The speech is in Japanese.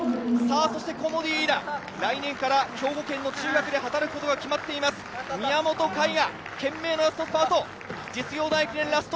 そしてコモディイイダ、来年から兵庫県の中学で働くことが決まっています宮本甲斐が懸命のラストスパート。